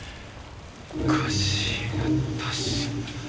おかしいな確か。